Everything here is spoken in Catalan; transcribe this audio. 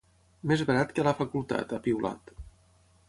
Més barat que a la facultat, ha piulat.